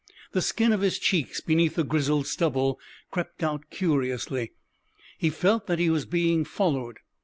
The skin of his cheeks, beneath the grizzled stubble, crept curiously. He felt that he was being followed.